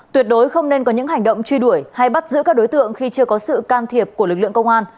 tuyệt đối không nên có những hành động truy đuổi hay bắt giữ các đối tượng khi chưa có sự can thiệp của lực lượng công an